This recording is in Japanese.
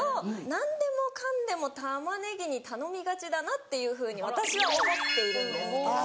何でもかんでも玉ねぎに頼みがちだなっていうふうに私は思っているんですけど。